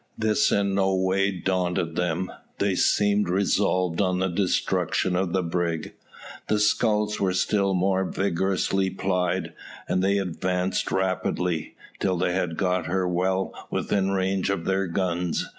This in no way daunted them. They seemed resolved on the destruction of the brig. The sculls were still more vigorously plied, and they advanced rapidly, till they had got her well within range of their guns.